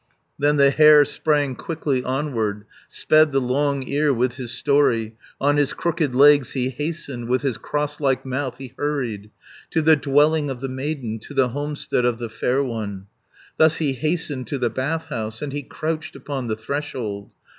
Then the hare sprang quickly onward, Sped the Long ear with his story, On his crooked legs he hastened, With his cross like mouth he hurried, To the dwelling of the maiden, To the homestead of the fair one. 410 Thus he hastened to the bath house And he crouched upon the threshold.